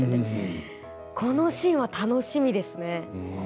このシーンは楽しみですね。